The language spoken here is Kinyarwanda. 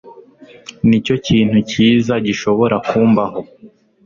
Nicyo kintu cyiza gishobora kumbaho